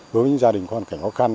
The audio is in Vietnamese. đối với gia đình hoàn cảnh khó khăn